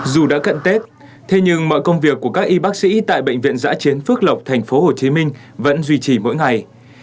dù đã cận tết thế nhưng mọi công việc của các y bác sĩ tại bệnh viện giã chiến phước lộc tp hcm vẫn duy trì mỗi ngày